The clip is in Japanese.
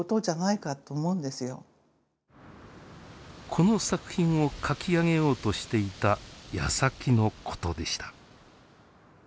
この作品を書き上げようとしていたやさきのことでした。